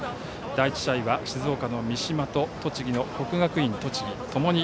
第１試合は静岡の三島と栃木の国学院栃木。